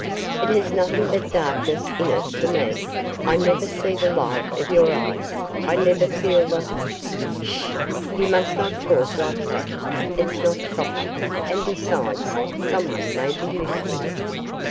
"It has nothing but darkness in it for me. I never see the light of your eyes. I never feel the " "Sh! You must not talk like that. It's not proper, and besides someone may be listening.